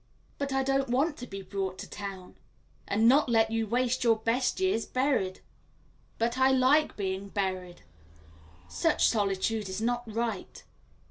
"But I don't want to be brought to town." "And not let you waste your best years buried." "But I like being buried." "Such solitude is not right."